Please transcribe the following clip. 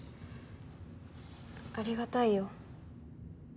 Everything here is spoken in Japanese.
ありがたいよ。